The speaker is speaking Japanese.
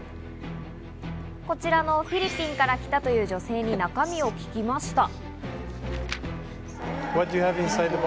こちらのフィリピンから来たという女性に中身を聞きました。